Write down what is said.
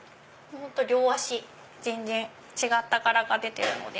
両足全然違った柄が出てるので。